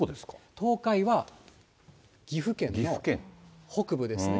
東海は岐阜県の北部ですね。